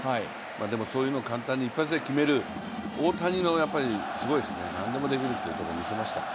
でも、そういうのを簡単に一発で決める大谷のすごいですね、何でもできるというところを見せましたね。